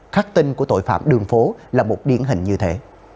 khắc tinh của tội phạm đường phố là một điển hình như thế